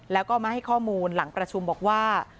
แล้วก็มาให้ข้อมูลหลังประชุมบอกว่า